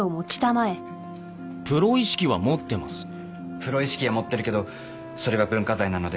「プロ意識は持ってるけどそれは文化財なので」。